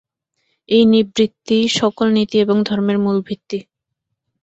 এই নিবৃত্তিই সকল নীতি এবং ধর্মের মূল ভিত্তি।